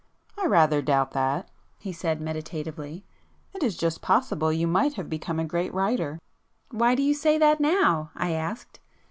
"I rather doubt that;" he said meditatively—"It is just possible you might have become a great writer." "Why do you say that now?" I asked.